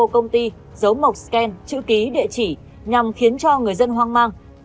công ty giấu mộc scan chữ ký địa chỉ nhằm khiến cho người dân hoang mang